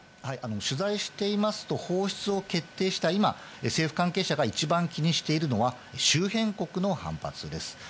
取材していますと、放出を決定した今、政府関係者が一番気にしているのは、周辺国の反発です。